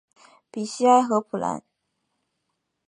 比西埃和普兰。